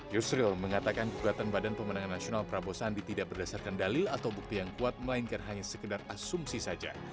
yusril mengatakan gugatan badan pemenangan nasional prabowo sandi tidak berdasarkan dalil atau bukti yang kuat melainkan hanya sekedar asumsi saja